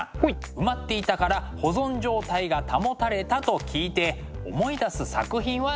埋まっていたから保存状態が保たれたと聞いて思い出す作品は何でしょう？